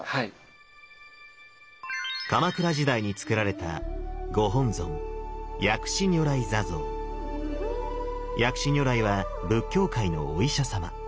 鎌倉時代につくられたご本尊薬師如来は仏教界のお医者様。